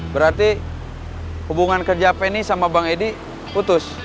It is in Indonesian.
berarti hubungan kerja penny sama bang edi putus